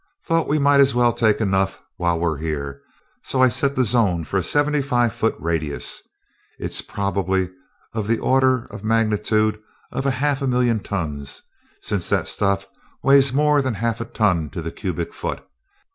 Thought we might as well take enough while we're here, so I set the zone for a seventy five foot radius. It's probably of the order of magnitude of half a million tons, since the stuff weighs more than half a ton to the cubic foot.